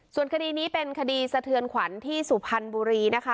ส่วนคดีนี้เป็นคดีสะเทือนขวัญที่สุพรรณบุรีนะคะ